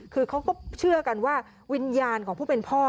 คือเขาก็เชื่อกันว่าวิญญาณของผู้เป็นพ่อ